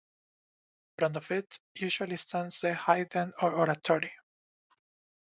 In front of it usually stands the "haiden", or oratory.